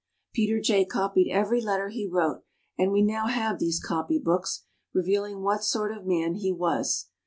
Peter Jay copied every letter he wrote, and we now have these copy books, revealing what sort of man he was.